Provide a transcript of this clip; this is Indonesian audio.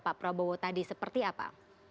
pak prabowo tadi seperti apa